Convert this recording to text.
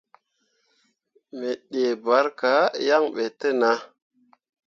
Me dii barka yan ɓe te nah.